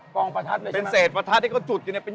กองประทัดเลย